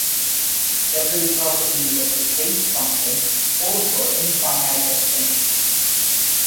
Several properties of the trace function hold for any finite extension.